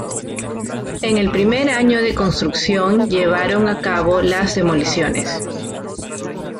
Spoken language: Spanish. En el primer año de construcción llevaron a cabo las demoliciones.